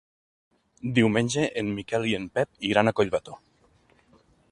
Diumenge en Miquel i en Pep iran a Collbató.